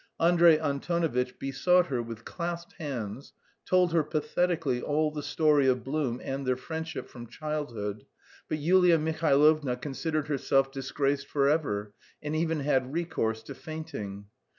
Andrey Antonovitch besought her with clasped hands, told her pathetically all the story of Blum and their friendship from childhood, but Yulia Mihailovna considered herself disgraced forever, and even had recourse to fainting.